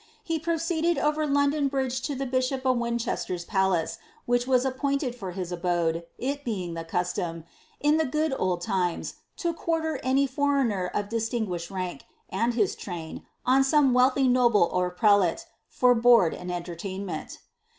He proceeded over London bridge lo lb* bistiop of Winchester's palace,' whinb was appointed for his aboilc, it being llie cuslcim, in tiie " j;"Oil old iiinys," lo quarter uiiy foreigner of distinguished rank, and his irain, on some weallliy nobie or prelate, for board and enlertainitjeni.